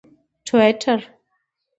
ټویټر